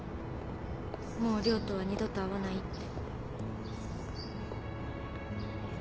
もう涼とは二度と会わないって。